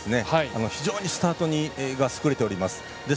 非常にスタートが優れております。